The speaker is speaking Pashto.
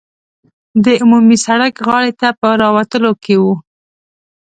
د عمومي سړک غاړې ته په راوتلو کې وو.